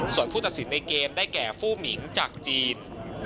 ส่วนผู้ตัดสินในเกมได้แก่ฟู้หมิงจากจีน